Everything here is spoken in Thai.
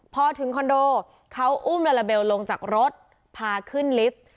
พอถึงคอนโดเขาอุ้มลาลาเบลลงจากรถพาขึ้นลิฟต์